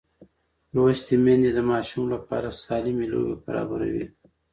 لوستې میندې د ماشوم لپاره سالمې لوبې برابروي.